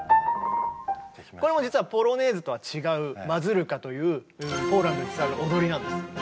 これも実は「ポロネーズ」とは違う「マズルカ」というポーランドに伝わる踊りなんです。